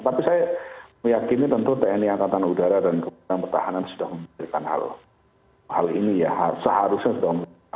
tapi saya meyakini tentu tni angkatan udara dan kementerian pertahanan sudah memberikan hal ini ya seharusnya sudah memiliki